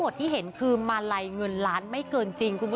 ฉันชอบ